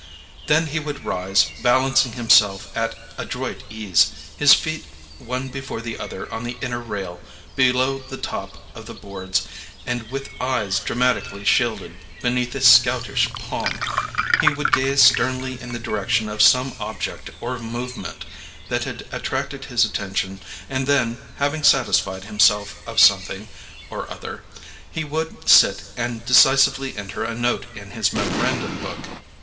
Then he would rise, balancing himself at adroit ease, his feet one before the other on the inner rail, below the top of the boards, and with eyes dramatically shielded beneath a scoutish palm, he would gaze sternly in the direction of some object or movement that had attracted his attention and then, having satisfied himself of something or other, he would sit and decisively enter a note in his memorandum book.